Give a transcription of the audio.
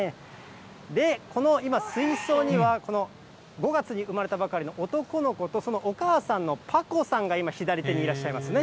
で、この今水槽には、この５月に産まれたばかりの男の子とそのお母さんのパコさんが今、左手にいらっしゃいますね。